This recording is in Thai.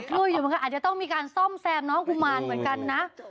ลุยอยู่เหมือนกันอาจจะต้องมีการซ่อมแซมน้องกุมารเหมือนกันนะ